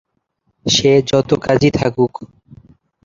সে যত কাজই থাকুক।